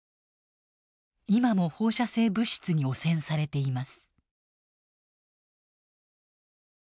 今も放射性物質に汚染されています。